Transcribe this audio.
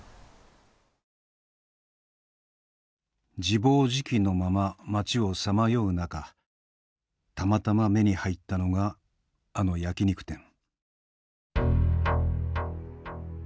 自暴自棄のまま町をさまよう中たまたま目に入ったのがあの焼き肉店。